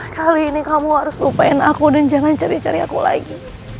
kali ini kamu harus lupain aku dan jangan cari cari aku lagi